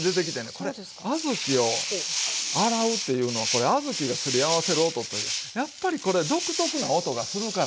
これ小豆を洗うっていうのはこれ小豆がすり合わせる音というやっぱりこれ独特な音がするからね。